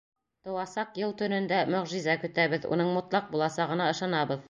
Тыуасаҡ йыл төнөндә мөғжизә көтәбеҙ, уның мотлаҡ буласағына ышанабыҙ.